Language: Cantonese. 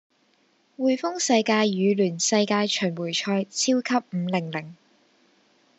滙豐世界羽聯世界巡迴賽超級五零零